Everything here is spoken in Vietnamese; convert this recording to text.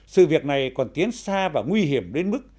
sự việc này còn tiến xa và nguy hiểm đến mức